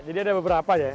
ya jadi ada beberapa ya